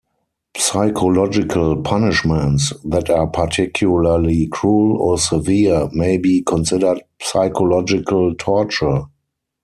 Psychological punishments that are particularly cruel or severe may be considered psychological torture.